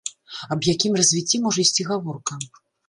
Аб якім развіцці можа ісці гаворка?